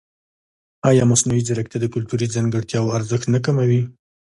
ایا مصنوعي ځیرکتیا د کلتوري ځانګړتیاوو ارزښت نه کموي؟